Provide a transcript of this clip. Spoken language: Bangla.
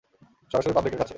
সরাসরি পাবলিকের কাছে।